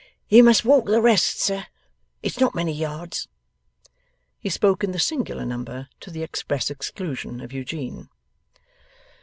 'You must walk the rest, sir; it's not many yards.' He spoke in the singular number, to the express exclusion of Eugene.